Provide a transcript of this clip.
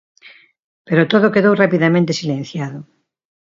Pero todo quedou rapidamente silenciado.